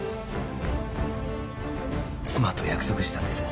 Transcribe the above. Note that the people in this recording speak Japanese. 妻と約束したんです